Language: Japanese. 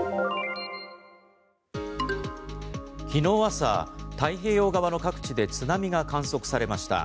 昨日朝、太平洋側の各地で津波が観測されました。